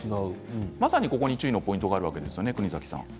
まさに、ここに注意のポイントがあるわけですよね。